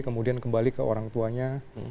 kemudian kembali ke orang tuanya